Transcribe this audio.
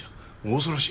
恐ろしい。